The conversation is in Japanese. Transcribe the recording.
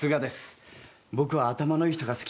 僕は頭のいい人が好きでね。